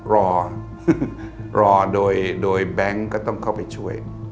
รอรอโดยแบงค์ก็ต้องเข้าไปช่วย